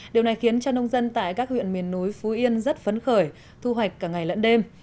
điều này khiến cho nông dân tại các huyện miền núi phú yên rất phấn khởi thu hoạch cả ngày lẫn đêm